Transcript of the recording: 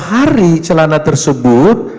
hari celana tersebut